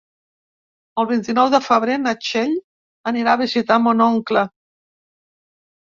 El vint-i-nou de febrer na Txell anirà a visitar mon oncle.